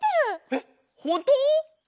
えっほんとう？